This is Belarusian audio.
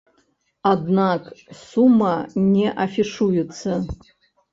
Аднак сума не афішуецца.